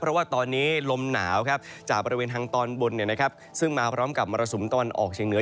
เพราะว่าตอนนี้ลมหนาวจากบริเวณทางตอนบนซึ่งมาพร้อมกับมรสุมตะวันออกเชียงเหนือ